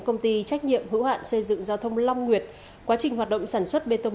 công ty trách nhiệm hữu hạn xây dựng giao thông long nguyệt quá trình hoạt động sản xuất bê tông